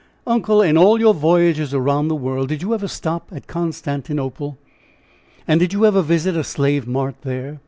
"Uncle, in all your voyages around the world did you ever stop at Constantinople? And did you ever visit a slave mart there?"